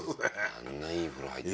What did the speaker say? あんないい風呂入って。